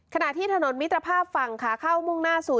ขณะที่ถนนมิตรภาพฝั่งขาเข้ามุ่งหน้าสู่